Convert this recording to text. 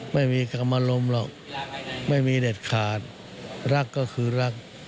ไม่มีกรรมรมณ์หรอกไม่มีเด็ดขาดรักก็คือรัก